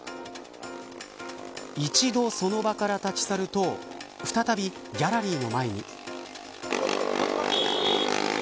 一度、その場から立ち去ると再びギャラリーの前に。